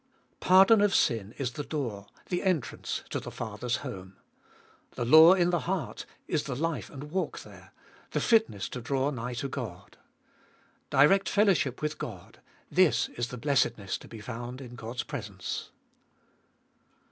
1. Pardon of sin is the door, the entrance to the Father's home. The law in the heart is the life and walk there, the fitness to draw nigh to Qod. Direct fellowship with Bod ; this is the blessedness to be found in God's presence.